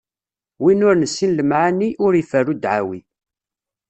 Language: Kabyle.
Win ur nessin lemɛani, ur iferru ddɛawi.